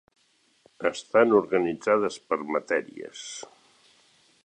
Estan organitzades per matèries.